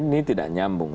ini tidak nyambung